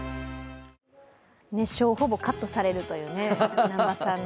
熱唱をほぼカットされるという南波さんの。